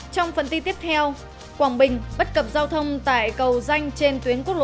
trong phần tin tiếp theo quảng bình bất cập giao thông tại cầu danh trên tuyến quốc lộ một